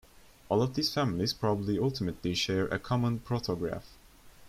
All of these families probably ultimately share a common protograph.